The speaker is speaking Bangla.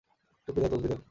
টুপি দেও, তসবি দেও!